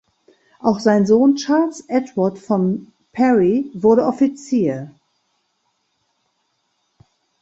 Auch sein Sohn "Charles Edward von Parry" wurde Offizier.